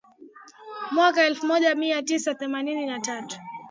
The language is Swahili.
mwaka elfu moja mia tisa themanini na tatu